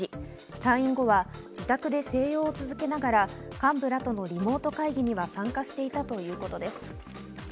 退院後は自宅で静養を続けながら幹部らとのリモート会議には参加していたということです。